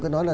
cứ nói là